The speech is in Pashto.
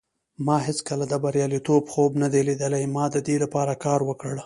ما هیڅکله د بریالیتوب خوب نه دی لیدلی. ما د دې لپاره کار وکړ.